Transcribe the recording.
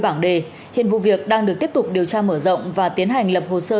bảng đề hiện vụ việc đang được tiếp tục điều tra mở rộng và tiến hành lập hồ sơ